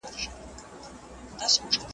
ایا باران به په دښته کې واوریږي؟